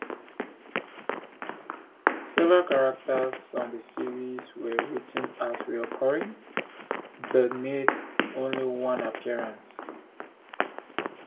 Several characters on the series were written as recurring, but made only one appearance.